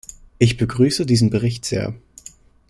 Ich begrüße diesen Bericht sehr.